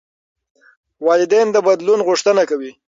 والدین د بدلون غوښتنه کوي.